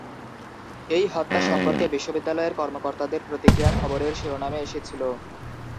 এই হত্যা সম্পর্কে বিশ্ববিদ্যালয়ের কর্মকর্তাদের প্রতিক্রিয়া খবরের শিরোনামে এসেছিল।